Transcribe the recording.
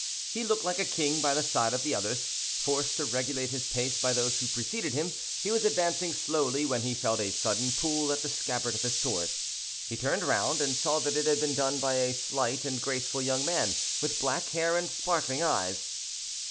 He looked like a king by the side of the others. Forced to regulate his pace by those who preceded him, he was advancing slowly, when he felt a sudden pull at the scabbard of his sword; he turned round, and saw that it had been done by a slight and graceful young man with black hair and sparkling eyes.